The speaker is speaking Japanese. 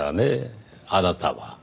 あなたは。